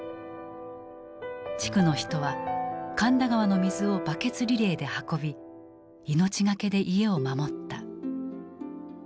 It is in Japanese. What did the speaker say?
地区の人は神田川の水をバケツリレーで運び命懸けで家を守った。